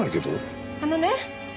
あのね。